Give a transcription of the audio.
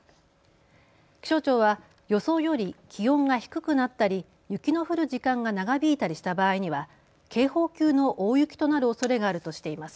気象庁は予想より気温が低くなったり、雪の降る時間が長引いたりした場合には警報級の大雪となるおそれがあるとしています。